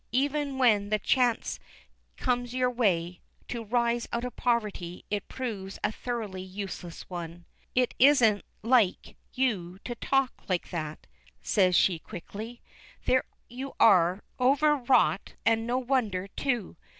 Even when the chance comes in your way to rise out of poverty, it proves a thoroughly useless one." "It isn't like you to talk like that," says she quickly. "There, you are overwrought, and no wonder, too.